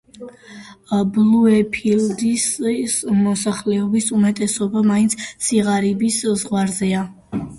ბლუეფილდსის მოსახლეობის უმეტესობა მაინც სიღარიბის ზღვარზეა.